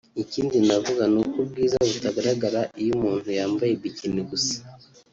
ikindi navuga ni uko ubwiza butagaragara iyo umuntu yambaye Bikini gusa